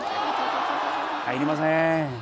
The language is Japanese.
入りません。